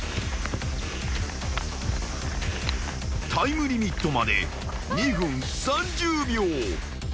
［タイムリミットまで２分３０秒］